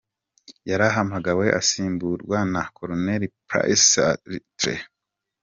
Yarahamagawe asimburwa na koloneli Patrice Sartre.